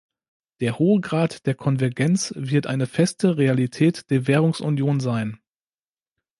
Der hohe Grad der Konvergenz wird eine feste Realität der Währungsunion sein.